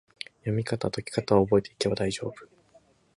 読みかた・解きかたを覚えていけば大丈夫！